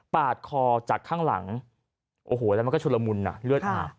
คอจากข้างหลังโอ้โหแล้วมันก็ชุลมุนอ่ะเลือดอาบ